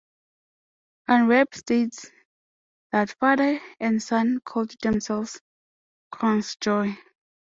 Anrep states that father and son called themselves Cronsjoe.